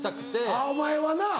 あっお前はな。